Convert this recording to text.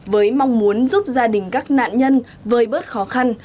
với mong muốn giúp gia đình các nạn nhân vơi bớt khó khăn